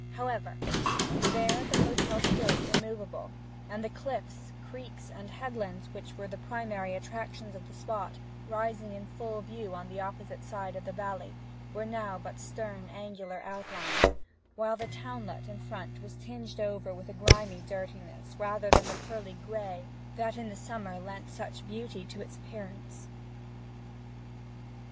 However, there the hotel stood immovable; and the cliffs, creeks, and headlands which were the primary attractions of the spot, rising in full view on the opposite side of the valley, were now but stern angular outlines, while the townlet in front was tinged over with a grimy dirtiness rather than the pearly gray that in summer lent such beauty to its appearance.